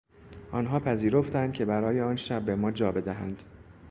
آنها پذیرفتند که برای آنشب به ما جا بدهند.